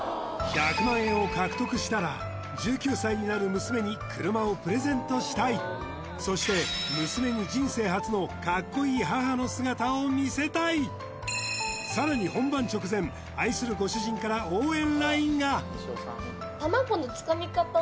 １００万円を獲得したら１９歳になる娘に車をプレゼントしたいそして娘に人生初のカッコいい母の姿を見せたいさらに本番直前愛するご主人から応援